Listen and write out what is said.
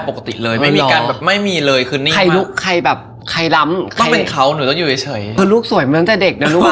เพราะลูกสวยมาตั้งแต่เด็กนะลูกค่ะ